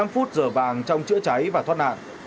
năm phút giờ vàng trong chữa cháy và thoát nạn